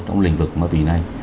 trong lĩnh vực ma túy này